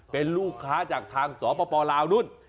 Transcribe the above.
เป็นลูกค้าจากทางสปลาวนู่น